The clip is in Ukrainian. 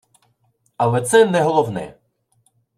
Але це – не головне